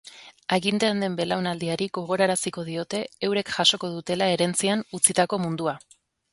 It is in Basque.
Agintean den belaunaldiari gogoraziko diote eurek jasoko dutela herentzian utzitako mundua.